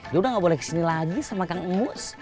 dia udah nggak boleh kesini lagi sama kang emus